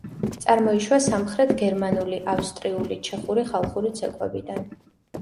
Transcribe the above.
წარმოიშვა სამხრეთ გერმანული, ავსტრიული, ჩეხური ხალხური ცეკვებიდან.